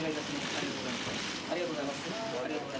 ありがとうございます。